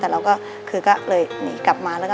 ร้องได้ให้ร้อง